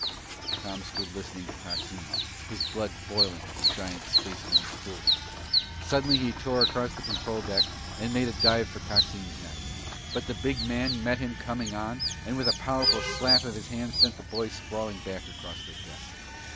Tom stood listening to Coxine, his blood boiling at the giant spaceman's cruelty. Suddenly he tore across the control deck and made a dive for Coxine's neck. But the big man met him coming on and with a powerful slap of his hand sent the boy sprawling back across the deck.